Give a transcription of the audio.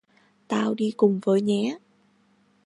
Tao đi cùng với nhé